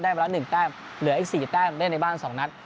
ได้มาละ๑แต้มเหลืออีก๔แต้มได้ในบ้าน๒นัด